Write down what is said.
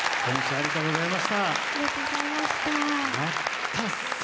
ありがとうございます。